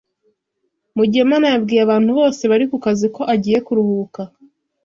Mugemana yabwiye abantu bose bari kukazi ko agiye kuruhuka.